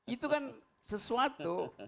itu kan sesuatu